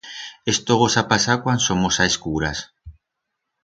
Esto gosa pasar cuan somos a escuras.